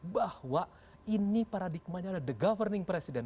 bahwa ini paradigmanya adalah the governing president